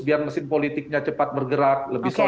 biar mesin politiknya cepat bergerak